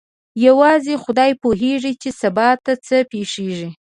یوازې خدای پوهېږي چې سبا ته څه پېښیږي.